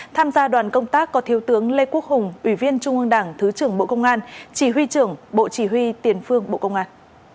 tham gia đoàn công tác có thiếu tướng lê quốc hùng ủy viên trung ương đảng thứ trưởng bộ công an chỉ huy trưởng bộ chỉ huy tiền phương bộ công an